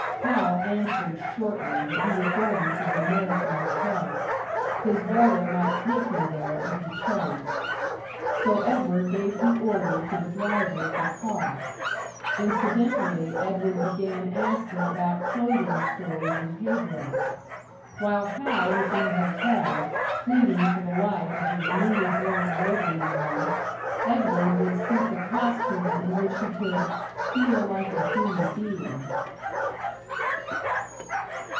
Hal answered shortly that he was going to the American Hotel. His brother might take him there, if he chose. So Edward gave the order to the driver of the car. Incidentally, Edward began asking about clothing stores in Pedro. While Hal was in the hotel, pleading for the life of his newly born labour union, Edward would seek a costume in which he could "feel like a human being."